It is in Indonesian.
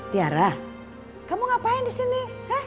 tiara kamu ngapain disini